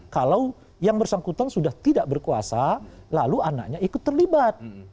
kalau yang bersangkutan sudah tidak berkuasa lalu anaknya ikut terlibat